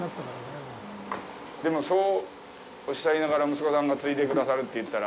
でも、そうおっしゃいながら息子さんが継いでくださるっていったら。